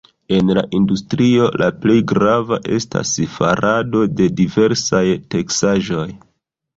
En la industrio la plej grava estas farado de diversaj teksaĵoj.